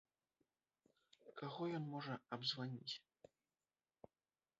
Каго ён можа абзваніць?